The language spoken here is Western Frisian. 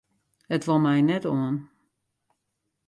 It wol my net oan.